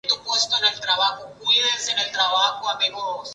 En este mismo año, a Blavatsky le fue concedida la nacionalidad estadounidense.